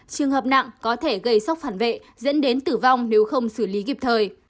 trường hợp nặng có thể gây sốc phản vệ dẫn đến tử vong nếu không xử lý kịp thời